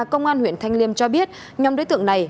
công an huyện thanh liêm cho biết nhóm đối tượng này